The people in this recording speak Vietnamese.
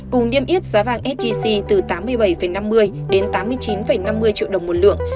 cùng niêm yết giá vàng fgc từ tám mươi bảy năm mươi tám mươi chín năm mươi triệu đồng mỗi lượng